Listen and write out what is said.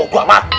oh gua amat